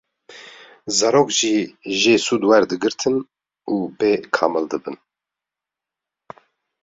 Zarok jî jê sûd werdigirtin û pê kamildibin.